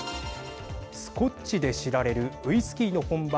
スコッチで知られるウイスキーの本場